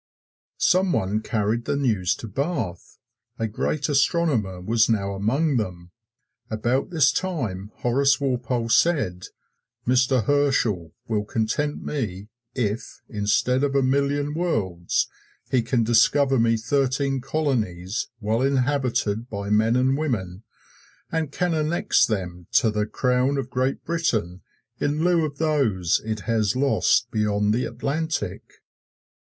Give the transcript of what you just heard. Some one carried the news to Bath a great astronomer was now among them! About this time Horace Walpole said, "Mr. Herschel will content me if, instead of a million worlds, he can discover me thirteen colonies well inhabited by men and women, and can annex them to the Crown of Great Britain in lieu of those it has lost beyond the Atlantic."